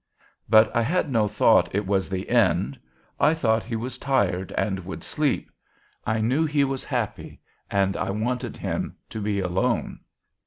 "But I had no thought it was the end: I thought he was tired and would sleep. I knew he was happy, and I wanted him to be alone.